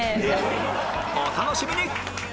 お楽しみに！